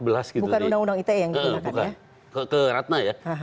bukan undang undang ite yang digunakan ya